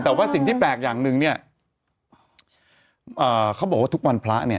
แต่ว่าสิ่งที่แปลกอย่างหนึ่งเนี่ยเขาบอกว่าทุกวันพระเนี่ย